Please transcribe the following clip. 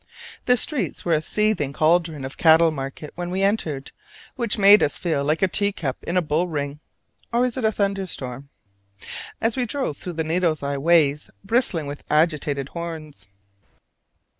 The streets were a seething caldron of cattle market when we entered, which made us feel like a tea cup in a bull ring (or is it thunderstorm?) as we drove through needle's eye ways bristling with agitated horns.